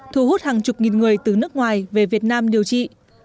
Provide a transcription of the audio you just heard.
thu hút hàng chục nghìn người từ nước ngoài về việt nam điều trị